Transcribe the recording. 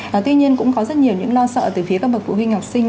và tuy nhiên cũng có rất nhiều những lo sợ từ phía các bậc phụ huynh học sinh